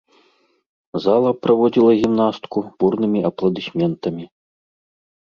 Зала праводзіла гімнастку бурнымі апладысментамі.